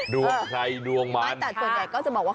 ดวงใครดวงมันแต่ส่วนใหญ่ก็จะบอกว่า